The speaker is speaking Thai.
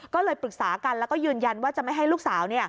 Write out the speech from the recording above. ก็เลยปรึกษากันแล้วก็ยืนยันว่าจะไม่ให้ลูกสาว